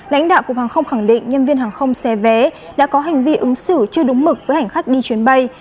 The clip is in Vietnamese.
lãnh đạo cục hàng không khẳng định nhân viên hàng không xe vé đã có hành vi ứng xử chưa đúng mực với hành khách đi chuyến bay